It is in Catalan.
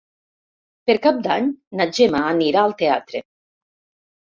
Per Cap d'Any na Gemma anirà al teatre.